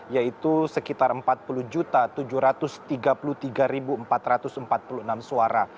yaitu sekitar empat puluh tujuh ratus tiga puluh tiga empat ratus empat puluh enam suara